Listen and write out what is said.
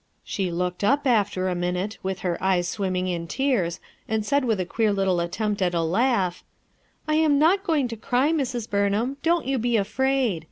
She looked up, after a minute, with her eyes swimming in tears, and said with a queer little attempt at a laugh :— "I'm not going to cry, Mrs. Burnham, don't you be afraid.